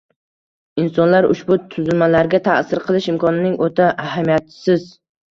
insonlar ushbu tuzilmalarga ta’sir qilish imkonining o‘ta ahamiyatsiz